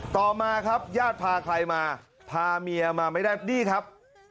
ต่อมาครับญาติพาใครมาพาเมียมาไม่ได้นี่ครับ